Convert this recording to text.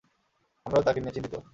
আমরাও তাকে নিয়ে চিন্তিত।